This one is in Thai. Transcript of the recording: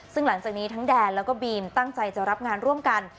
ซึ่งหลังจากนี้ทั้งแดนแล้วก็บีมตั้งใจจะรับงานร่วมกัน